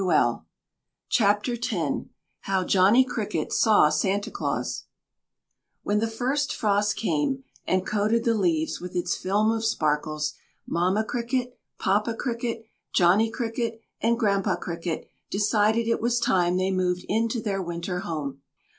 HOW JOHNNY CRICKET SAW SANTA CLAUS When the first frost came and coated the leaves with its film of sparkles, Mamma Cricket, Papa Cricket, Johnny Cricket and Grandpa Cricket decided it was time they moved into their winter home.